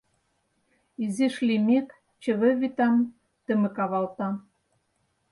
Изиш лиймек, чыве вӱтам тымык авалта.